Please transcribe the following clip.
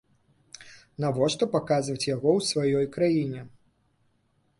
Навошта паказваць яго ў сваёй краіне?